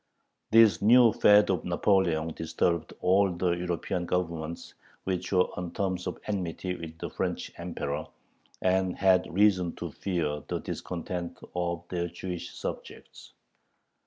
This new fad of Napoleon disturbed all the European Governments which were on terms of enmity with the French Emperor, and had reason to fear the discontent of their Jewish subjects.